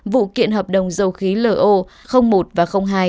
vụ kiện hợp đồng dầu khí l o một và hai